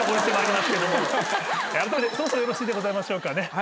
あらためてそろそろよろしいでございましょうかね？